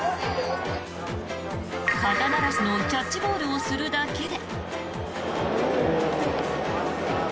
肩慣らしのキャッチボールをするだけで。